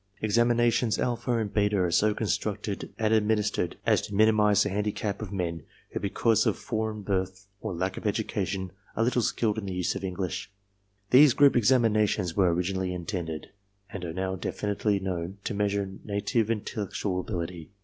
Examinations alpha and beta .are so constructed and admin istered as to minimize the handicap of men who because of for eign birth or lack of education are little skilled in the use of English. These group examinations were originally intended, and are now definitely known, to measure native intellectual ability.